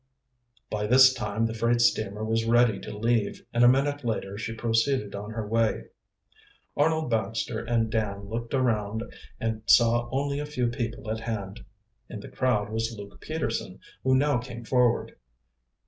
By this time the freight steamer was ready to leave, and a minute later she proceeded on her way. Arnold Baxter and Dan looked around and saw only a few people at hand. In the crowd was Luke Peterson, who now came forward.